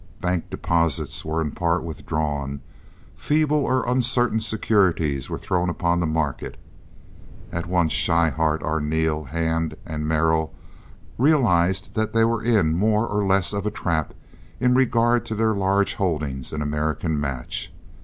Bank deposits were in part withdrawn; feeble or uncertain securities were thrown upon the market. All at once Schryhart, Arneel, Hand, and Merrill realized that they were in more or less of a trap in regard to their large holdings in American Match.